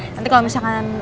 nanti kalau misalkan